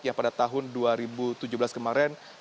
yang pada tahun dua ribu tujuh belas kemarin